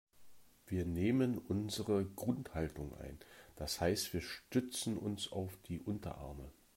Wir nehmen unsere Grundhaltung ein, das heißt wir stützen uns auf die Unterarme.